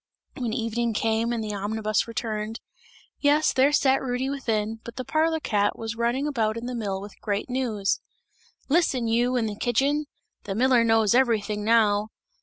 When evening came and the omnibus returned, yes, there sat Rudy within, but the parlour cat, was running about in the mill with great news. "Listen, you, in the kitchen! The miller knows everything now.